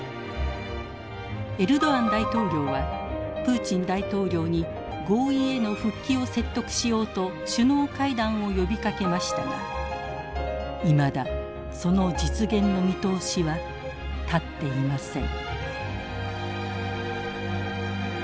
エルドアン大統領はプーチン大統領に合意への復帰を説得しようと首脳会談を呼びかけましたがいまだその実現の見通しは立っていません。